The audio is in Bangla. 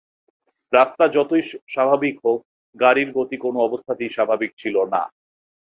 রাস্তা যতই স্বাভাবিক হোক গাড়ির গতি কোনো অবস্থাতেই স্বাভাবিক ছিল না।